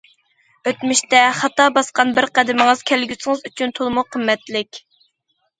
ئۆتمۈشتە خاتا باسقان بىر قەدىمىڭىز كەلگۈسىڭىز ئۈچۈن تولىمۇ قىممەتلىك.